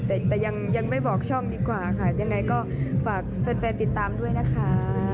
แต่ยังไม่บอกช่องดีกว่าค่ะยังไงก็ฝากแฟนติดตามด้วยนะคะ